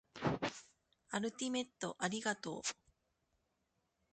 アルティメットありがとう